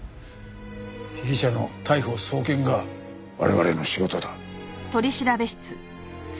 被疑者の逮捕送検が我々の仕事だ。